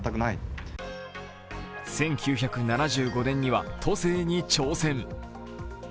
１９７５年には都政に挑戦。